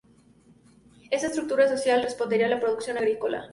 Esta estructura social respondería a la producción agrícola.